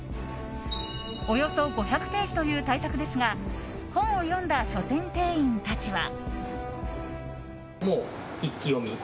およそ５００ページという大作ですが本を読んだ書店店員たちは。